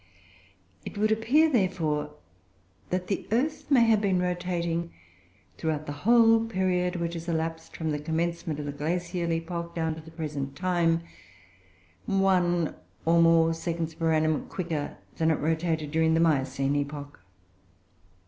It would appear, therefore, that the earth may have been rotating, throughout the whole period which has elapsed from the commencement of the Glacial epoch down to the present time, one, or more, seconds per annum quicker than it rotated during the Miocene epoch.